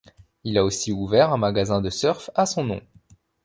Il a aussi ouvert un magasin de surf à son nom.